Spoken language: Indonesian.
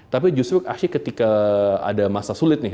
tapi justru asyik ketika ada masa sulit nih